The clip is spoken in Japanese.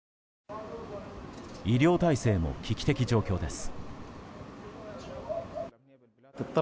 医療体制も危機的状況です。